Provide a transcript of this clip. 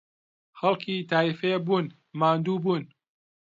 خەڵکی تاییفێ بوون، ماندوو بوون